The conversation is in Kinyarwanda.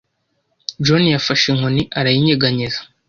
John yafashe inkoni arayinyeganyeza.